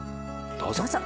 どうぞ。